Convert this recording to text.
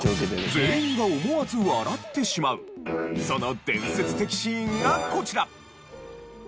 全員が思わず笑ってしまうその伝説的シーンがこちら。